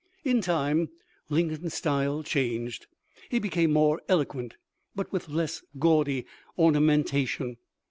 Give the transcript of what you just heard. " In time Lincoln's style changed : he became more eloquent but with less gaudy ornamentation.